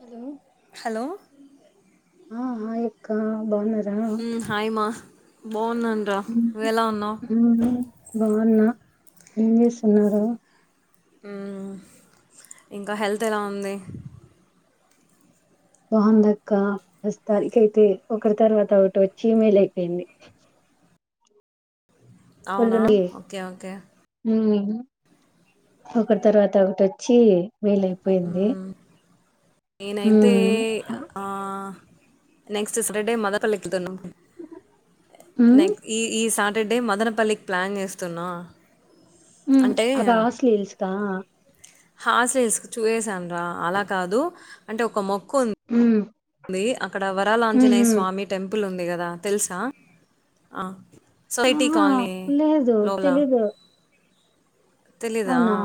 Hello hello ఆ hi అక్క బాగున్నార హమ్ హై మా బాగున్నాను రా నువ్వు ఎలా ఉన్నావు మ్మ్ బాగున్నా ఏం చేస్తున్నారు ఉమ్ ఇంకా హెల్త్ ఎలా ఉంది బాగుంది అక్క ప్రస్తుతానీకైతే ఒకటి తర్వాత ఒకటి వచ్చి ఇమెయిల్ అయిపోయింది అవునా ఓకే ఓకే ఉమ్ ఒకటి తర్వాత ఒకటొచ్చి మేలయిపోయింది మ్మ్ నేనైతే ఆ నెక్స్ట్ సాటర్డే మదనపల్లి ఎక్కుతున్న మ్మ్ ఈ ఈ సాటర్డే మదనపల్లికి ప్లాన్ చేస్తున్నా ఉమ్ [inaudible] అంటే [unintelligible] అదా ఆస్లీ ఇల్స్కా హాస్టస్ చూసేసాను రా అలా కాదు అంటే ఒక మొక్కు ఉం ఉమ్ ది అక్కడ వరాలాంజనేయ స్వామి టెంపుల్ ఉంది కదా తెలుసా ఆహా సొసైటికాలనీ లేదు లో తెలీదు తెలీదా అవునా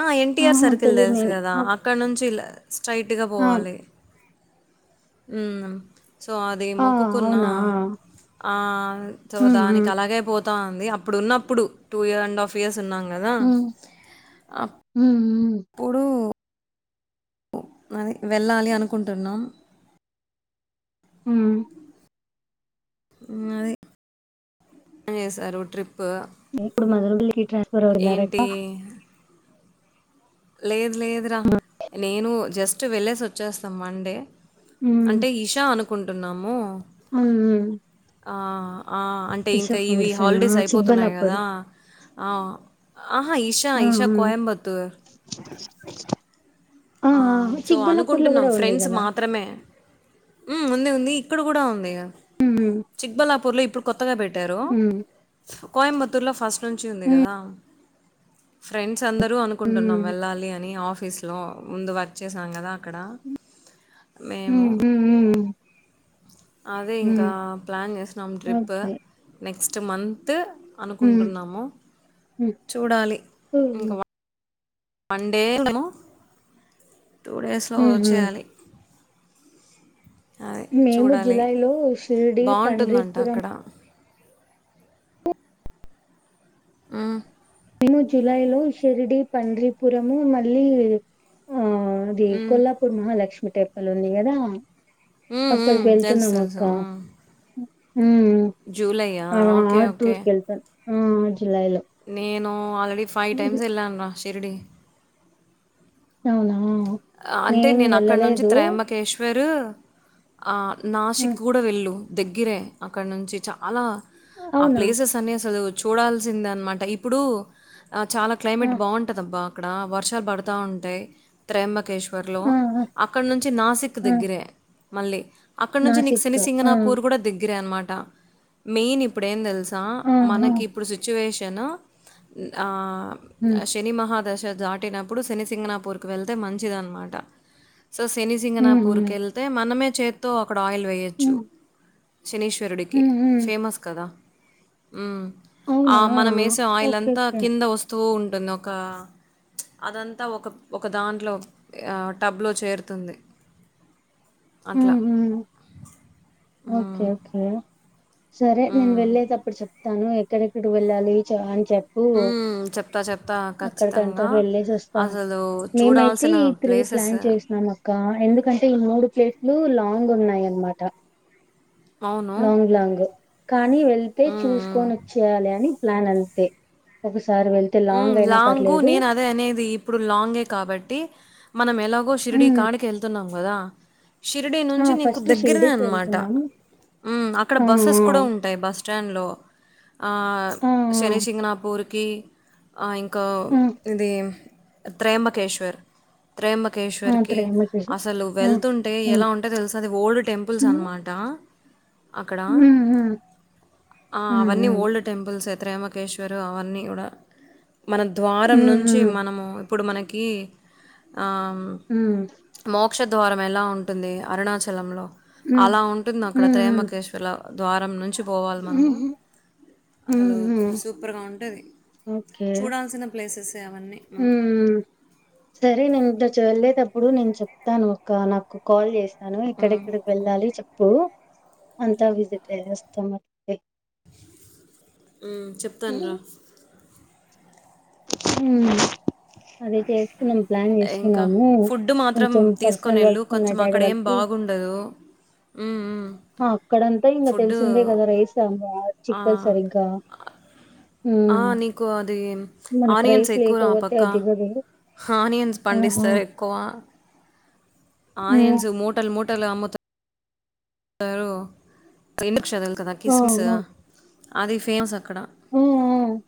ఆ ఎన్టీఆర్ ఆహా సర్కిల్ తెలీదు తెలుసు నేను కదా ఆ అక్కడ నుంచి స్ట్రెయిట్ గా ఆ పోవాలి ఉమ్ సో అది ఆ, మొక్కుకున్న అవునా ఆ సో మ్మ్ దానికి మ్మ్ అలాగే పోతు తా అంది అప్పుడు ఉన్నప్పుడు two year and half years ఉన్నాం కదా ఉమ్ ఉమ్ ఇప్పుడు అది వెళ్ళాలి అనుకుంటున్నాం ఉమ్ హమ్ అది ఏం వేసారు ట్రిప్ ఇప్పుడు మనోళ్ళకి ట్రాన్స్ఫర్ ఎవరున్నారు ఏంటి అక్క లేదు లేదురా నేను జస్ట్ వెళ్ళేసి వచ్చేస్తా మండే అంటే ఇషా అనుకుంటున్నాము ఆ ఆ అంటే ఇంక ఇషా ఇవి ఫౌండేషన్ ఆ హాలిడేస్ అయిపోతున్నాయి చిక్బల్లాపూర్ గదా ఆ ఆహా ఈషా ఆ ఈషా కోయంబత్తూ ఆ సో చిక్బల్లాపూర్ లో అనుకుంటున్నాం కూడా ఉంది ఫ్రెండ్స్ కదా మాత్రమే ఉమ్ ఉంది ఉంది ఇక్కడ గూడా ఉందిగా ఉమ్ చిక్బల్లాపూర్లో ఇప్పుడు కొత్తగా పెట్టారు ఉమ్ కోయంబత్తూర్లో ఫస్ట్ నుంచి ఉంది ఉమ్ గదా ఫ్రెండ్స్ అందరూ అనుకుంటున్నాం వెళ్ళాలి అని ఆఫీస్ లో ముందు వర్క్ చ్చేసాం గదా అక్కడ మేము ఉమ్ ఉమ్ ఉమ్ ఉమ్ అదే ఇంకా ఉమ్ ప్లాన్ చేసినాం ట్రిప్పు ఓకే నెక్స్ట్ మంత్ ఉమ్ అనుకుంటున్నాము ఉమ్ చూడాలి ఉమ్ ఇంకవ వన్ డేమో టూ డేస్ లో ఓ ఉమ్ ఉమ్ చేయాలి మేము చూడాలి జులై లో షిర్డి బాగుంటుందంట పండ్రీపురం అక్కడ అ మేము జులై లో షిరిడి పండ్రీపురము మళ్ళీ ఆ ది కొల్లాపూర్ మహాలక్ష్మి టెపుల్ ఉంది గదా ఉమ్, ఉమ్, అక్కడిక్ తెలుసు వెళ్తున్నాం తెలుసు అక్కా ఉమ్. మ్ జూలైయా ఓకే ఓకే ఆ జులైలొ నేను ఆల్రెడీ ఫై టైమ్స్ ఎళ్ళాను రా షిరిడి అవునా అ అంటే నేను నేన అక్క నుంచి వెళ్ళలేదు త్రయంబకేశ్ వెరూ ఆ నాసిక్ హ్మ్. గూడ వెళ్ళు దగ్గరే అక్కడ్ నుంచి చాలా ఆ అవునా ప్లేసెస్ అన్ని అసలు చూడాల్సిందె అన్మాట ఇప్పుడు ఆ చాలా ఆ క్లైమేట్ బావుంటదబ్బా అక్కడ వర్షాల్ బడతా ఉంటాయ్ త్రయంబకేశ్ వర్ లో ఆ ఆ అక్కడ్ నుంచి నాసిక్ ఆ! దగ్గరే మళ్ళి అక్కడ్నుంచి నీక్ నాసిక్ ఆ సినిసింగనాపూర్ ఆ కూడ దగ్గరే అనమాట మెయిన్ ఇప్పుడే తెలుస్ సా ఆ మనకిప్పుడు సిట్యుయేషను న్ ఆ ఉమ్ అ శ్ పెని మహాదశ దాటినప్పుడు శనిసింగనాపూర్కు వెళ్తే మంచిదనమాట సొ శని ఉమ్ సింగనాపూర్ ఉమ్ కెళ్తే మనమే చేత్తో అక్కడ ఆయిల్ వేయోచ్చు శనీశ్వరుడికి ఉమ్ ఉమ్ ఫేమస్ కదా ఉమ్ ఆ అవునా మనం మేసే ఆయిల్ ఓకే అంతా ఓకే కింద ఒస్ తూ ఉంటుంద్ ఒకా అదంతా ఒక ఒక్ ఒక దాంట్లో యా టబ్లో చేరుతుంది అట్ల ఉమ్ ఉమ్ ఓకే ఓకే సరే నేన్ హ్మ్. వెళ్ళేతప్పుడు చెప్ తను ఎక్కడెక్కడ వెళ్ళాలి చా అన్ చెప్ ప్పు హ్మ్. చెప్తా చెప్తా అక్కడికంతా ఖచ్చితంగా. వెళ్ళేసోస్తా అసలు మేమైతీ చూడాల్సిన ప్రీ ప్లేసెస్ ప్లాన్ చేసినాం అక్క ఎందుకంటే ఈ మూడు ప్లేస్లు లాంగ్ ఉన్నాయి అనమాట అవును. లాంగ్ లాంగ్ కానీ వెళ్తే హ్మ్. హ్మ్. చూసుకొనొచ్చేయాలి అని ప్లాన్ అంతే ఒకసారి వెళ్తే లాంగ్ అయినా పర్లేదు దే అనేది ఇప్పుడు లాంగే కాబట్టి మనం ఎలాగో షరిడి మ్మ్ కాడికి ఎళ్తున్నాం గదా షిరిడి ఆ నుంచి నీకు ఫస్ట్ దగ్గరనే షిర్డీకి అన్మాట వెళ్తున్నాము ఉమ్ అక్కడ ఆ బస్సెస్ కూడా ఉం టయ్ బస్ స్టాండ్లో ఆ ఆ ఆ శనిసింగనాపూర్కి ఆ ఇంకా ఆ ఇది త్రయంబకేశ్వర్ ఆ ఆ! త్రయంబకేశ్వరికి త్రయంబకేశ్వర్ అసలు ఆ వెళ్తుంటే ఆ ఎలా ఉంటది తెలుసా అది ఓల్డ్ టెంపుల్స్ మ్మ్ అన్మాట అక్కడా మ్మ్ మ్మ్ అ మ్మ్ మ్మ్ అవ్వని ఓల్డ్ టెంపుల్స్ త్రయంబకేశ్వరర్ అవన్నీ గూడ మన ద్వారం మ్మ్ నుంచి మనము ఇప్పుడు మనకి ఆ హు మోక్షద్వారం ఎలా ఉంటుంది అరుణాచలంలో మ్మ్ అల ఉంటుంది అక్కడ మ్మ్ త్రయంబకేశ్వర్లొ ద్వారం నుంచి పోవాలి మనము అసలు మ్మ్ మ్మ్ సూపర్గ ఉంటది చూడాల్సిన ప్లేసెసే అవన్నీ హు మనం. సరే నేను [unintelligible] నుంచి వెళ్ళేటప్పుడు నేను చెప్తాను అక్కా నాకు కాల్ చేస్ [unintelligible] హ్మ్. ఎక్కడెక్కడికి వెళ్ళాలి చెప్పు అంతా విజిట్ [unintelligible] ఆ చెప్తాను రా హు అదే చేస్తున్నాం ప్లాన్ ఇంకా చేస్తున్నాము ఫుడ్ మాత్రం కొంచెం పర్సనల్ వర్క్స్ ఉన్నాయ్ డాడీ వాళ్ళకి డదు ఉ ఉ అక్కడంతా ఇంగ తెలిసిందే గదా రైస్ [unintelligible] చిక్కదు ఆ! సరిగ్గా ఆ నీకు అది మనకి ఆనియన్స్ రైస్ ఎక్కువరా ఆ లేకపోతే పక్క అది దిగదు హానియన్స్ ఆహా. పండిస్తారు ఎక్కువ ఉమ్, ఆనియన్స్ ముటల్ ముటల్ అమ్ముత అసలు ఎందుకు [unintelligible] కదా కిస్మిసు ఓహో. అది ఫేమస్ అక్కడ ఉమ్, ఉమ్.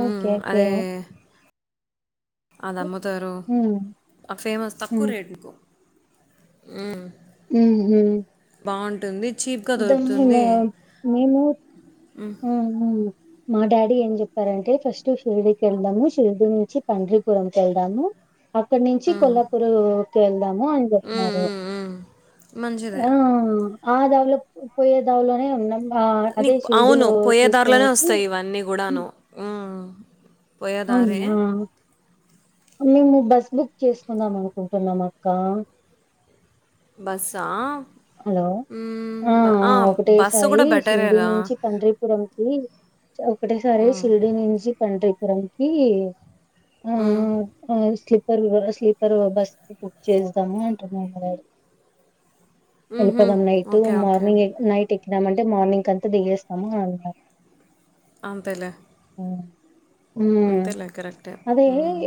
ఓకే ఓకే అదమ్ముతారు ఉమ్, [unintelligible] ఫేమస్ తక్కువ ఉమ్, రేట్లుకు ఉ బావుంటుంది చీప్గ దొరుకుతుంది మేము ఉహు మా డాడీ ఏం చెప్పారంటే ఫస్ట్ షిరికి వెళ్దాము షిరిడి నుంచి పండ్రిపురంకి ఎళ్దాము అక్కడ్నించి కొల్లాపూరుకి వెళ్దాము అని చెప్న్నారు ఉ ఆ ఆ దారిలో పోయే దారిలోనే ఉన్నం ఆ అదే నీకు అవును షిరిడిలో పోయే దారిలోనే చూసుకునేసి వస్తాయ్ ఇవన్నీ గూడాను ఉమ్, ఉ అవునా మేము బస్ బుక్ చేసుకుందాం అనుకుంటున్నం అక్కా బస్సా హలో హ్మ్. ఆ బ బస్సు ఒకటేసారి గూడా షిరిడి బెటరేరా. నుంచి [unintelligible] పురం కి ఒకటేసారి హ్మ్. షిరిడి నుంచి పండ్రిపురంకీ ఆ ఆ స్లీపరు స్లీపరు బస్ బుక్ చేద్దము అంటున్నడు మా డాడి హుహు. వెళ్ళిపోదాం night okay. Okay. Morning night ఎక్కినామంటే మార్నింగ్ అంతా దిగేస్తాము అని అన్నారు అంతేలే [unintelligible] అంతేలే కరెక్టే. హ్మ్.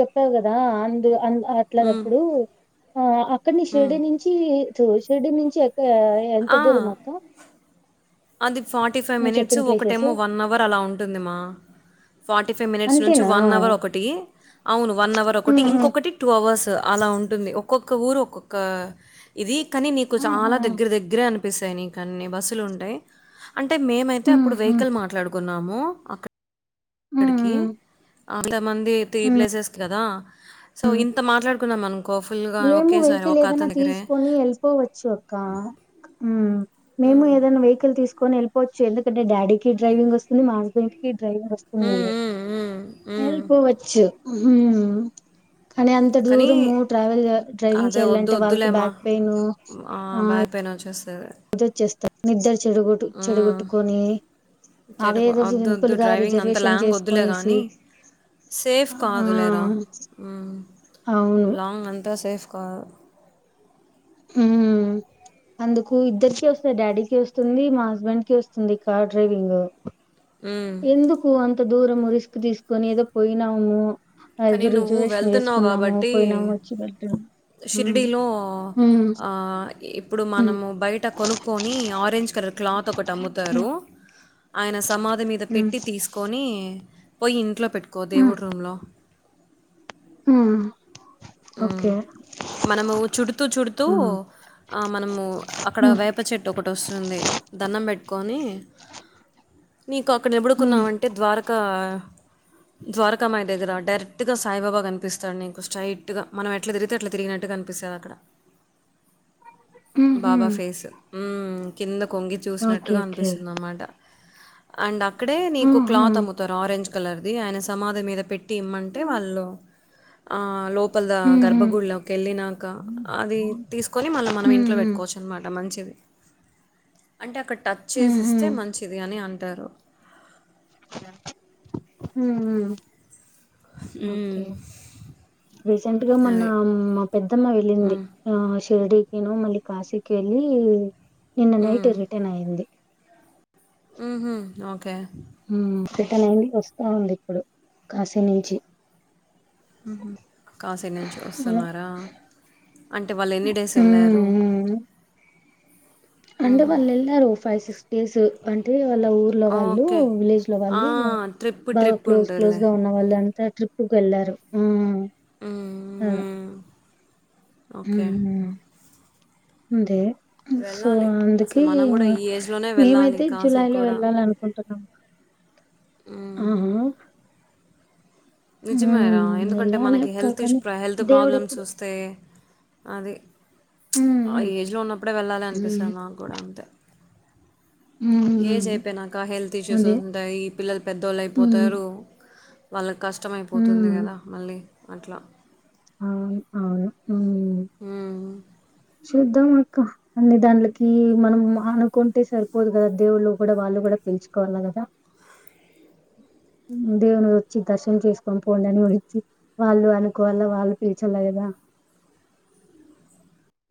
చెప్పావు గదా అందు అన్ అట్లా హ్మ్. అప్పుడు ఆ అక్కడ్ని షిరిడి నుంచి తు షిరిడి నుంచి ఎక్కా ఎంత ఆ! దూరం అక్క అది ఫార్టీ ఫై నువ్వు మినిట్స్ చెప్పిన ప్లేసెస్ ఒకటేమో వన్ అవర్ అలా ఉంటుంది మా ఫార్టీ ఫై మినిట్స్ నుంచి అంతేనా వన్ అవర్ ఒకటి అవును వన్ అవర్ ఒకటి మ్మ్ హ్మ్ ఇంకొకటి టూ అవర్స్ అల ఉంటుంది ఒక్కొక్క ఊరు ఒక్కొక్క ఇది కనీ నీకు చాల ఆహా దగ్గర దగ్గరే అనిపిస్తాయి నీకు అన్ని బస్సులు ఉంటయ్ అంటే మేమైతే మ్మ్ అప్పుడు హ్మ్ వెహికల్ మాట్లాడుకున్నాము అక్క మ్మ్ క్కడికి హ్మ్ అంతమంది త్రీ హ్మ్. ప్లేసెస్ కి కదా సో హ్మ్. ఇంత మాట్లాడుకున్నాం అను మేము వెహికల్ ఏదైనా తీసుకొని ఎళ్ళిపోవచ్చు అక్కా ఉమ్ మేము ఏదైనా వెహికల్ తీసు కొని ఎళ్ళపోవచ్చు ఎందుకంటే డాడీకి డ్రైవింగ్ వస్తుంది మా హస్బెండ్ కి డ్రైవింగ్ వస్తుంది హ్మ్. హ్మ్. హ్మ్. హ్మ్. ఎళ్ళిపోవచ్చు కనీ అంత కానీ దూరము ట్రావెల్ జె డ్రైవింగ్ అదే వద్దు చేయాలంటే వాళ్ళకి వద్దులేమా బ్యాక్ పెయిను ఆ పెయిన్ వచ్చేస్తాది. వచ్చేస్తార నిద్ద్ర చెడుగొట్టు చెడగొట్టుకొనీ అదే చేటుకు ఏదో వద్దు వద్దు సింపుల్గా డ్రైవింగ్ అంత రిజర్వేషన్ లాంగ్ వద్దులే చేసుకొనేసి కానీ సేఫ్ ఆ కాదులేరా ఉమ్ అవును లాంగ్ అంతా సేఫ్ కాదు. ఉమ్ అందుకు ఇద్దరికి వస్తది డాడీకిి వస్తుంది మా హస్బెండ్ కి వస్తుంది కార్ డ్రైవింగు మ్మ్. ఎందుకు అంత దూరము రిస్క్ తీసుకొని ఏదో పోయినాము. కానీ అదు నువ్వు రిజర్వేషన్ వెళ్తున్నావు చేసుకున్నాము పోయినాము వచ్చినట్టు షిరిడిలో ఆ ఇప్పుడు ఉమ్ మనము బయట కొనుక్కొని ఆరెంజ్ కలర్ క్లాత్ ఒకటి అమ్ముతరూ ఆయన సమాధి మీద ఉమ్ పెట్టి తీసుకొని పోయి ఇంట్లో పెట్టుకో దేవుడు రూంలో హా ఆ మనము చుడుతూ చుడుతూ ఉమ్ ఆ మనము అక్కడ ఉమ్ వేప్ ప చెట్టు ఒకటి వస్తుంది దన్నం పెట్టుకొనీ నీకు అక్కడ ఉమ్ నిబడుకున్నావంటే ద్వారకా ద్వారకామయ దగ్గర డైరెక్ట్గా సాయిబాబా కనిపిస్తాడు నీకు స్ట్రైట్ టుగా మనం ఎట్ల తిరిగితే అట్ల తిరిగినట్టు కనిపిస్తది అక్కడ ఉహూ బాబా ఫేస్ ఉమ్ కిందకొంగి ఓకే చూసినట్టుగా ఓకే అనిపిస్తుంది అన్మాట అండ్ అక్కడే నీకు ఉహూ క్లాత్ అమ్ముతారు ఆరెంజ్ కలర్ది ఆయన సమాధి మీద పెట్టి ఇమ్మంటే వాళ్ళు ఆ లోపల ద ఉహూ గర్భగుడిలో కెళ్ళినాక అది తీసుకొని మళ్ళ మనం ఇంట్లో ఉహూ పెట్టుకోవచ్చు అనమాట మంచిది అంటే అక్కడ టచ్ చేసి ఉహూ ఇస్తే మంచిది అని అంటారు. ఉహు హ్మ్. ఒకే రీసెంట్గా మొన్న అది. మా పెద్దమ్మ వెళ్ళింది. హ్మ్. ఆ షిర్డికిను మళ్ళీ కాశీకి వెళ్ళి నిన్న నైట్ హ్మ్. రిటర్న్ అయ్యింది. ఉహు ఓకే ఉ రిటన్ అయింది వస్తా ఉంది ఇప్పుడు కాశీ నుంచి కాశీ నుంచి ఉమ్ వస్తున్నారా? అంటే వాళ్ళు ఎన్ని డేస్ వెళ్ళారు? ఉమ్. అంటే హుహు. వాళ్ళు వెళ్ళారు ఫైవ్ సిక్స్ డేస్ అంటే వాళ్ళ ఊరు లో వాళ్ళు ఓకే. విలేజ్ లో ఆ! వాళ్ళు ట్రిప్ బాగా ట్రిప్ క్లోజ్ క్లోజ్ ఉంటదిలే. గా ఉన్నా వాళ్ళంతా ట్రిప్కి వెళ్ళారు. ఉ హ్మ్. హ్మ్. ఓకే ఉహు ఉంది సో వెళ్ళాలి అందుకే అసలు మనం ఇగ కూడా ఈ ఏజ్లోనే వెళ్ళాలి మేమైతే జూలై కాశీకి లో కూడా వెళ్ళాలి అనుకుంటునం. ఉమ్, ఆహా నిజమే రా ఉమ్ ఎందుకంటే వెళ్ళాలి మనకి అక్క హెల్త్ ఇష్ కానీ ప్రే హెల్త్ దేవుడు ప్రాబ్లమ్స్ ఎప్పుడు వస్ స్తే అది ఉమ్ ఆ ఉమ్ ఏజ్లో ఉన్నప్పుడే వెళ్ళాలి అనిపిస్తుంది నాగూడ అంతే ఉమ్ ఏజ్ ఉమ్ అయిపోయినాక హెల్త్ ఇష్యూస్ అదే ఉంటాయి ఈ పిల్లలు ఉమ్ పెద్దోలైయిపోతారు వాళ్ళ కష్టమైపోతుంది ఉమ్ కదా మళ్ళీ అట్లా అవును అవును హ్మ్ హ్మ్మ్ చూద్ద్దంమక్క అన్ని దాంలోకి మనం అనుకుంటే సరిపోదు కదా దేవుళ్ళు కూడా వాళ్ళు కూడా పిలుచుకోవాల కదా దేవుని వచ్చి దర్శనం చేసుకొని పోండని వడిచ్చి వాళ్ళు అనుకోవాల వాళ్ళు పిలచలే కదా